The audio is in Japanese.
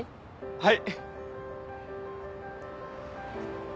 はい！